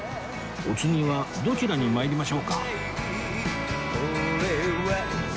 お次はどちらに参りましょうか？